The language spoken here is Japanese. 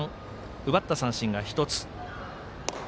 奪った三振が１つ。